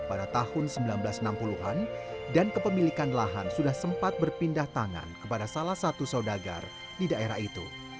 pada tahun seribu sembilan ratus enam puluh an dan kepemilikan lahan sudah sempat berpindah tangan kepada salah satu saudagar di daerah itu